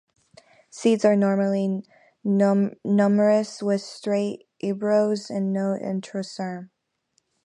Seeds are normally numerous with straight embryos and no endosperm.